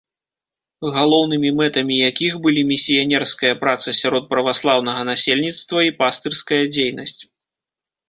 Галоўнымі мэтамі якіх былі місіянерская праца сярод праваслаўнага насельніцтва і пастырская дзейнасць.